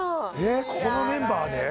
ここのメンバーで？